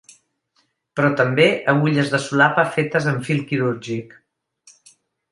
Però també agulles de solapa fetes en fil quirúrgic.